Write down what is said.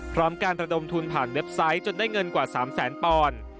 พร้อมการระดมทุนผ่านเว็บไซต์จนได้เงินกว่า๓แสนปอนด์